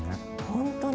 本当に。